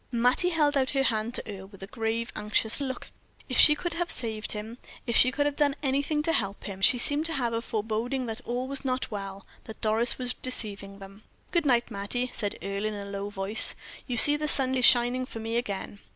Mattie held out her hand to Earle, with a grave, anxious look. If she could have saved him; if she could have done anything to help him! She seemed to have a foreboding that all was not well, that Doris was deceiving them. "Good night, Mattie," said Earle, in a low voice; "you see the sun is shining for me again."